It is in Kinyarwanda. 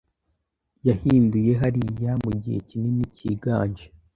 Yahinduye hariya mugihe kinini cyiganje